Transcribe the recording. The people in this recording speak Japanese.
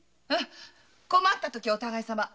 困った時はお互いさま。